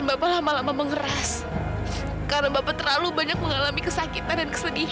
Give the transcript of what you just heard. saya enggak mau kamu disakiti